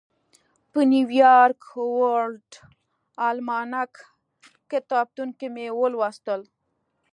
په نیویارک ورلډ الماناک کتابتون کې مې ولوستل.